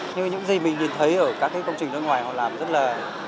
như những gì mình nhìn thấy ở các công trình nước ngoài họ làm rất là